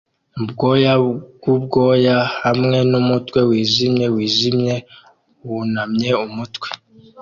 ubwoya bwubwoya hamwe numutwe wijimye wijimye wunamye umutwe